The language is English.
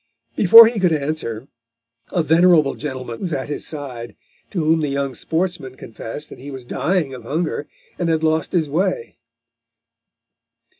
Before he could answer, a venerable gentleman was at his side, to whom the young sportsman confessed that he was dying of hunger and had lost his way.